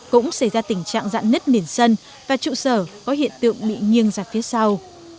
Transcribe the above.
cũng xảy ra tình trạng dạn nứt nền sân và trụ sở có hiện tượng bị nghiêng ra phía sau